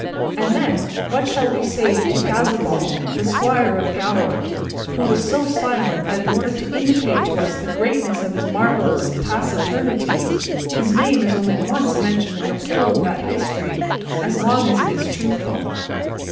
And then, what shall we say of Gasabal, the squire of Galaor, who was so silent that in order to indicate to us the greatness of his marvellous taciturnity his name is only once mentioned in the whole of that history, as long as it is truthful?